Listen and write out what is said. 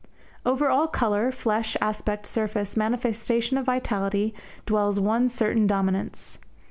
Over all colour, flesh, aspect, surface, manifestation of vitality, dwells one certain dominance.